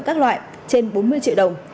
các loại trên bốn mươi triệu đồng